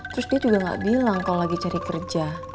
terus dia juga gak bilang kalau lagi cari kerja